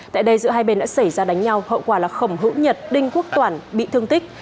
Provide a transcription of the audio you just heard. tại đây giữa hai bên đã xảy ra đánh nhau hậu quả là khổng hữu nhật đinh quốc toàn bị thương tích